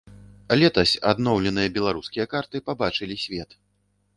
Летась адноўленыя беларускія карты пабачылі свет.